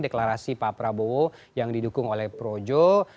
deklarasi pak prabowo yang didukung oleh projo